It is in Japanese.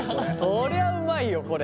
そりゃあうまいよこれ。